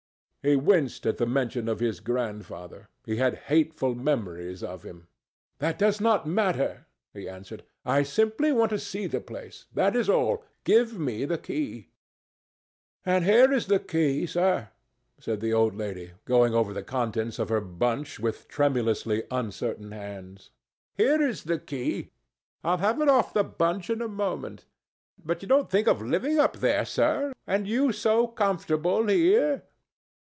He winced at the mention of his grandfather. He had hateful memories of him. "That does not matter," he answered. "I simply want to see the place—that is all. Give me the key." "And here is the key, sir," said the old lady, going over the contents of her bunch with tremulously uncertain hands. "Here is the key. I'll have it off the bunch in a moment. But you don't think of living up there, sir, and you so comfortable here?"